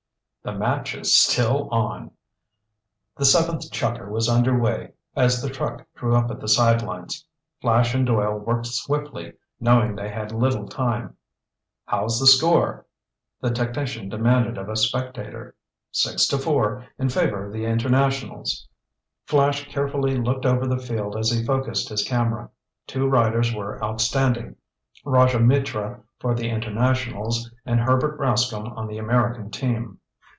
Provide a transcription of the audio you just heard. "The match is still on!" The seventh chukker was underway as the truck drew up at the sidelines. Flash and Doyle worked swiftly, knowing they had little time. "How's the score?" the technician demanded of a spectator. "Six to four in favor of the Internationals." Flash carefully looked over the field as he focused his camera. Two riders were outstanding, Rajah Mitra for the Internationals, and Herbert Rascomb on the American team.